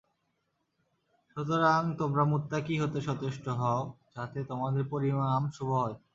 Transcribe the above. সুতরাং তোমরা মুত্তাকী হতে সচেষ্ট হও যাতে তোমাদের পরিণাম শুভ হয়।